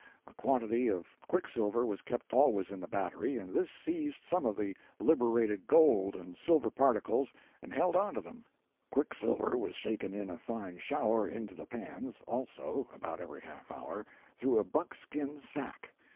A quantity of quicksilver was kept always in the battery, and this seized some of the liberated gold and silver particles and held on to them; quicksilver was shaken in a fine shower into the pans, also, about every half hour, through a buckskin sack.